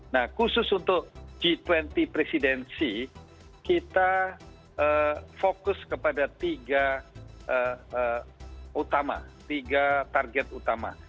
nah khusus untuk g dua puluh presidensi kita fokus kepada tiga utama tiga target utama